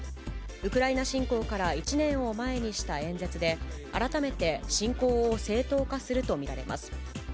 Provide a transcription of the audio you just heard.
ウクライナ侵攻から１年を前にした演説で、改めて侵攻を正当化すると見られます。